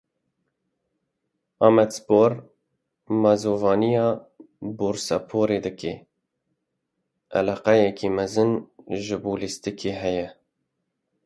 Amedspor mazûvaniya Bursaporê dike; Eleqeyeke mezin ji bo lîstikê heye.